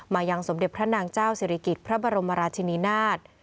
ยังสมเด็จพระนางเจ้าศิริกิจพระบรมราชินินาศ